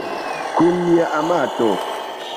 Kun mia amato.